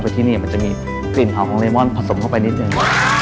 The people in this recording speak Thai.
ที่นี่มันจะมีกลิ่นหอมของเรมอนผสมเข้าไปนิดนึง